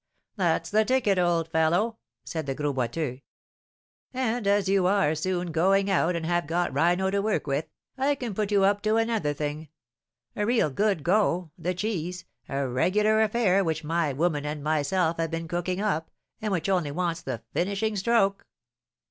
"That's the ticket, old fellow!" said the Gros Boiteux. "And as you are soon going out, and have got rhino to work with, I can put you up to another thing, a real good go, the cheese, a regular affair which my woman and myself have been cooking up, and which only wants the finishing stroke.